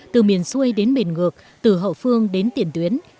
từ miền xuôi đến miền ngược từ hậu phương đến tiền tuyến